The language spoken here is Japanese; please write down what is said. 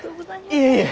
いえいえ！